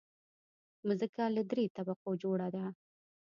مځکه له دریو طبقو جوړه ده.